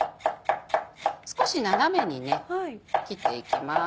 少し斜めに切っていきます。